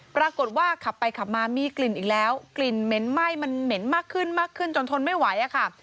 ปรากฏว่าขับไปขับมามีกลิ่นอีกแล้วกลิ่นเหม็นไหม้มันเหม็นมากขึ้นมากขึ้นจนทนไม่ไหวอะค่ะ